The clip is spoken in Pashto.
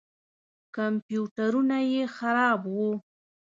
کمپیوټرونه یې خراب وو.